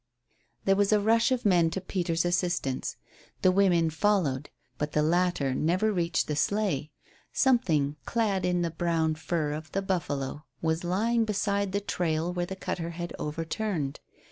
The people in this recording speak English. There was a rush of men to Peter's assistance. The women followed. But the latter never reached the sleigh. Something clad in the brown fur of the buffalo was lying beside the trail where the cutter had overturned.